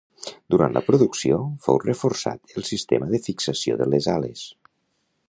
Durant la producció, fou reforçat el sistema de fixació de les ales.